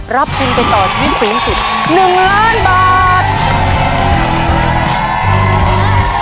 รับคุณไปต่อชีวิตศูนย์ศิลป์๑ล้านบาท